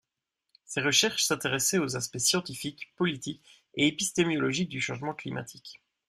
Ses recherches s'intéressaient aux aspects scientifiques, politiques et épistémologiques du changement climatique.